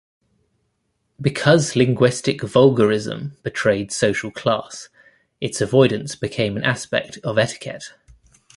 Because linguistic vulgarism betrayed social class, its avoidance became an aspect of etiquette.